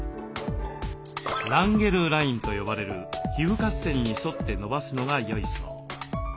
「ランゲルライン」と呼ばれる皮膚割線に沿ってのばすのがよいそう。